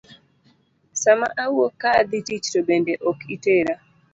Sama awuok ka adhi tich to bende ok itera.